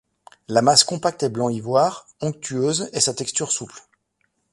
La masse compacte est blanc ivoire, onctueuse et sa texture souple.